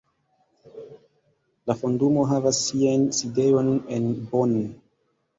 La Fondumo havas sian sidejon en Bonn.